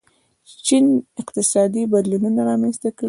چین اقتصادي بدلونونه رامنځته کړي.